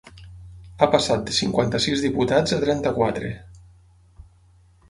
Ha passat de cinquanta-sis diputats a trenta-quatre.